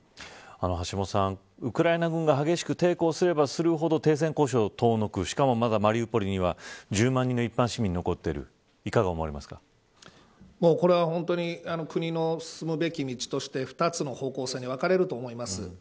橋下さん、ウクライナ軍が激しく抵抗すればするほど停戦交渉は遠のくしかも、まだマリウポリには１０万人の一般市民が残っているこれは本当に国の進むべき道として２つの方向性に分かれると思います。